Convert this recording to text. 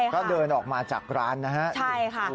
ก็เดินออกมาจากร้านนะฮะ